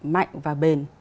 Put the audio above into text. mạnh và bền